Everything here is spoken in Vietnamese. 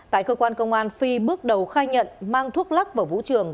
tại cơ quan công an phi bước đầu khai nhận mang thuốc lắc vào vũ trường